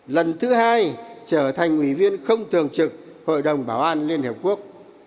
lần thứ hai trở thành ủy viên không thường trực hội đồng bảo an liên hiệp quốc